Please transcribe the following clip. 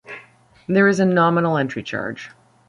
There is a nominal entry charge.